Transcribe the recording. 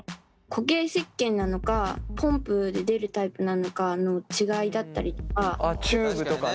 固形せっけんなのかポンプで出るタイプなのかの違いだったりとか。